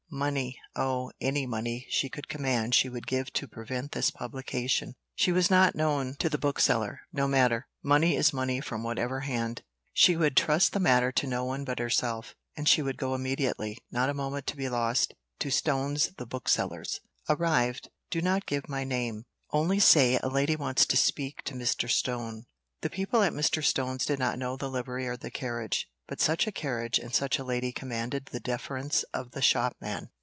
Money! Oh! any money she could command she would give to prevent this publication. She was not known to the bookseller no matter. Money is money from whatever hand. She would trust the matter to no one but herself, and she would go immediately not a moment to be lost. "To Stone's, the bookseller's." Arrived. "Do not give my name; only say, a lady wants to speak to Mr. Stone." The people at Mr. Stone's did not know the livery or the carriage, but such a carriage and such a lady commanded the deference of the shopman.